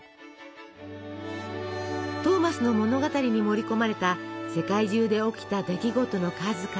トーマスの物語に盛り込まれた世界中で起きた出来事の数々。